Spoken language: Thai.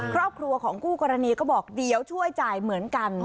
ครอบครัวของคู่กรณีก็บอกเดี๋ยวช่วยจ่ายเหมือนกัน